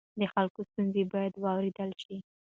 د خلکو ستونزې باید واورېدل شي.